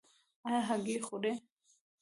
ایا هګۍ خورئ؟